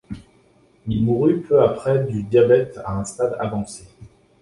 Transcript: Il mourut peu après du diabète à un stade avancé.